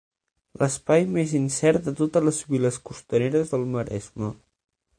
L'espai més incert de totes les viles costaneres del Maresme.